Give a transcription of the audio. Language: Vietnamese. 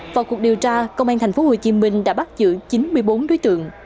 vào cuộc điều tra công an tp hcm đã bắt giữ chín mươi bốn đối tượng